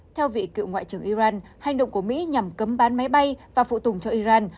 theo vị cựu ngoại trưởng iran hành động của mỹ nhằm cấm bán máy bay và phụ tùng cho iran